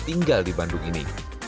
tinggal di bandung ini